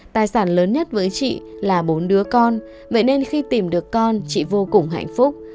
tài sản lớn nhất với chị là bốn đứa con vậy nên khi tìm được con chị vô cùng hạnh phúc